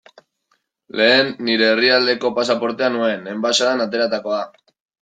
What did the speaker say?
Lehen nire herrialdeko pasaportea nuen, enbaxadan ateratakoa.